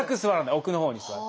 奥のほうに座る。